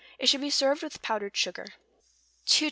It should be served with powdered sugar. 220.